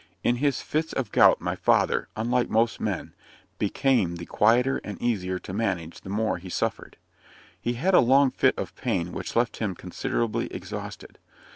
In his fits of gout my father, unlike most men, became the quieter and easier to manage the more he suffered. He had a long fit of pain which left him considerably exhausted.